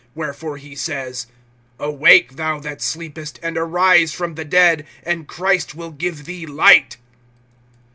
(14)Wherefore he says: Awake, thou that sleepest, and arise from the dead, and Christ will give thee light.